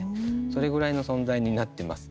それぐらいの存在になってます。